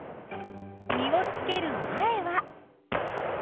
実をつける前は。